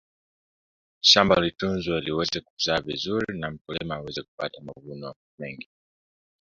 shamba litunzwe liweze kuzaa vizuri na mkulima aweze kupata mavuno mengi